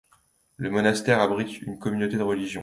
Le monastère abrite une communauté de religieuses.